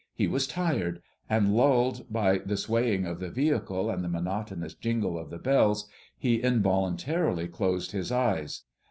He was tired; and lulled by the swaying of the vehicle and the monotonous jingle of the bells, he involuntarily closed his eyes.